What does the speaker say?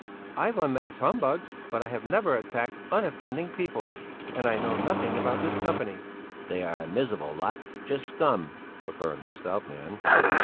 I've unmasked humbugs, but I have never attacked unoffending people, and I know nothing about this company." "They are a miserable lot. Just scum," affirmed the stout man.